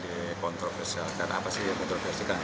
dikontroversi kan apa sih yang kontroversikan